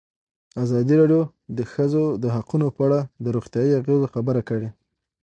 ازادي راډیو د د ښځو حقونه په اړه د روغتیایي اغېزو خبره کړې.